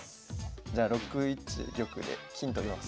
じゃあ６一玉で金取ります。